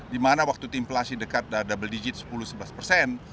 di mana waktu inflasi dekat double digit sepuluh sebelas persen